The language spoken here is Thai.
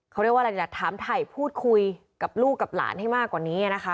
เขาเรียกว่าอะไรล่ะถามถ่ายพูดคุยกับลูกกับหลานให้มากกว่านี้นะคะ